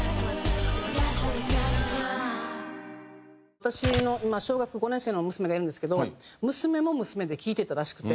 私の今小学５年生の娘がいるんですけど娘も娘で聴いてたらしくて。